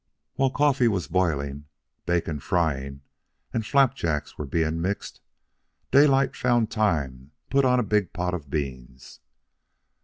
While coffee was boiling, bacon frying, and flapjacks were being mixed, Daylight found time to put on a big pot of beans.